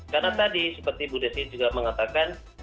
karena tadi seperti ibu desy juga mengatakan